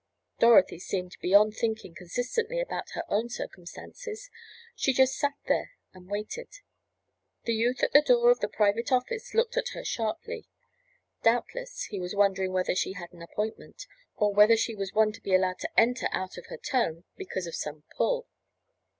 Dorothy seemed beyond thinking consistently about her own circumstances; she just sat there and waited. The youth at the door of the private office looked at her sharply. Doubtless he was wondering whether she had an appointment, or whether she was one to be allowed to enter out of her turn because of some "pull."